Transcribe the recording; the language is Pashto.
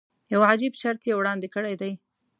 یو عجیب شرط یې وړاندې کړی دی.